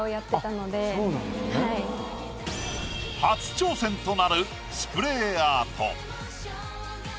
初挑戦となるスプレーアート。